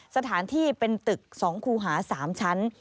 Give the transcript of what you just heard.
สถานที่เป็นตึก๒คูหา๓ชั้น